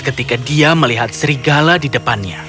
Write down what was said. ketika dia melihat serigala di depannya